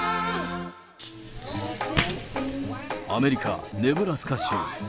アメリカ・ネブラスカ州。